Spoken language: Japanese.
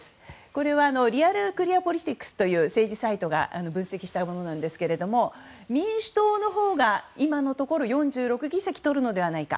これはリアル・クリア・ポリティクスという政治サイトが分析したものなんですが民主党のほうが今のところ４６議席とるのではないか。